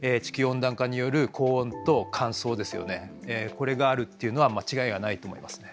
これがあるっていうのは間違いがないと思いますね。